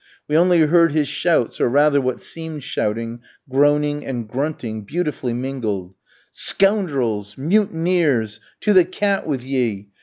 We only heard his shouts, or rather what seemed shouting, groaning, and grunting beautifully mingled. "Scoundrels! mutineers! to the cat with ye!